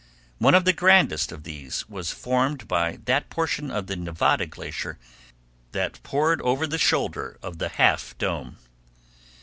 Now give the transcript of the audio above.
One of the grandest of these was formed by that portion of the Nevada Glacier that poured over the shoulder of the Half Dome.